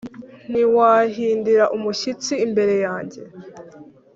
Ntimwahindira umushyitsi imbere yanjye.